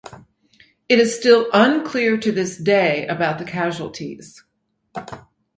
It is still unclear to this day about the casualties.